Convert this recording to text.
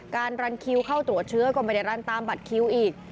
รันคิวเข้าตรวจเชื้อก็ไม่ได้รันตามบัตรคิวอีก